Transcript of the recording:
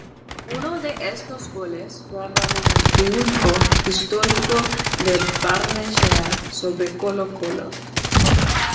Uno de esos goles fueron en el triunfo histórico de Barnechea sobre Colo-Colo.